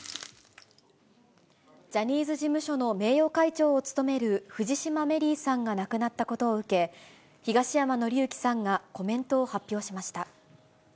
ジャニーズ事務所の名誉会長を務める藤島メリーさんが亡くなったことを受け、東山紀之さんがコメントを発表しました。